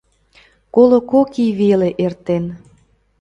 Коло кок ий веле эртен.